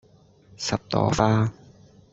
十朵花